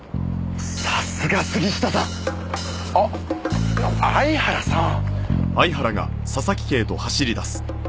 さすが杉下さん！あっ相原さん！